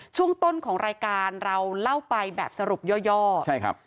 ช่วงต้นของรายการเราเล่าไปแบบสรุปย่อย่อใช่ครับ